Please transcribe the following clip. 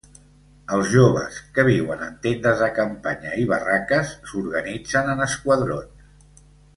Els joves, que viuen en tendes de campanya i barraques, s'organitzen en esquadrons.